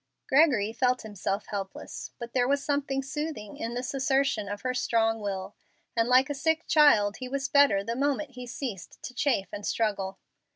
Gregory felt himself helpless, but there was something soothing in this assertion of her strong will, and like a sick child he was better the moment he ceased to chafe and struggle.